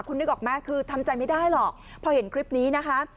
คุณนึกออกไหมคือทำใจไม่ได้หรอกพอเห็นคลิปนี้นะคะ